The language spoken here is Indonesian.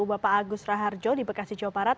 bapak agus raharjo di bekasi jawa barat